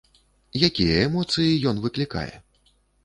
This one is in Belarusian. Якія эмоцыі ён выклікае?